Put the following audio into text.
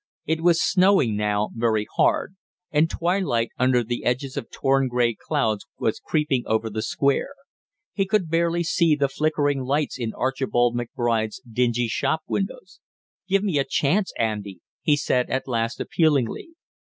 It was snowing now very hard, and twilight, under the edges of torn gray clouds was creeping over the Square; he could barely see the flickering lights in Archibald McBride's dingy shop windows. "Give me a chance, Andy!" he said at last appealingly.